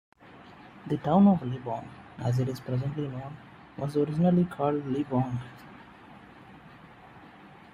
The town of Libon, as it is presently known was originally called "Libong".